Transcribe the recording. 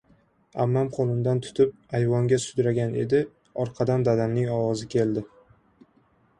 Ammam qo‘limdan tutib, ayvonga sudragan edi, orqadan dadamning ovozi keldi: